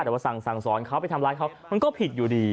แต่ว่าสั่งสอนเขาไปทำร้ายเขามันก็ผิดอยู่ดี